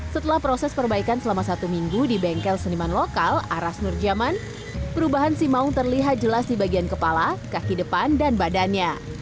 setelah proses perbaikan selama satu minggu di bengkel seniman lokal aras nurjaman perubahan si maung terlihat jelas di bagian kepala kaki depan dan badannya